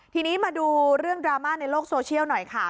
ทีนี้มาดูเรื่องดราม่าในโลกโซเชียลหน่อยค่ะ